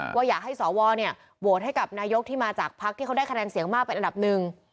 เพราะอยากให้สอวรโหลดให้กับนายกที่มาจากพลักษณ์ที่ได้คะแนนเสียงมากไปอันดับหนึ่ง